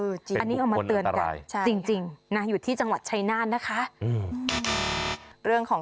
เออจริงอันนี้เอามาเตือนกันเป็นบุคคลอัตรายใช่จริงนะอยู่ที่จังหวัดชัยนานนะคะอืม